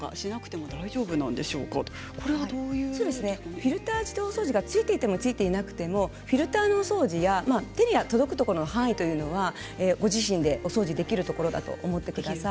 フィルター自動掃除がついていても、ついていなくてもフィルターの掃除や手に届くところの範囲はご自身でお掃除できるところだと思ってください。